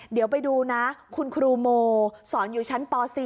เดี๋ยวไปดูนะคุณครูโมสอนอยู่ชั้นป๔